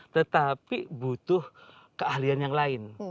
tetapi butuh keahlian yang lain